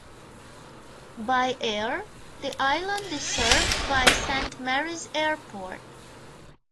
By air, the island is served by Saint Mary's Airport.